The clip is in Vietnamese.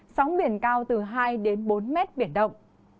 sống biển cao từ hai đến bốn m biển động